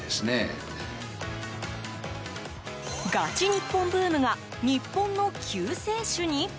ガチニッポンブームが日本の救世主に？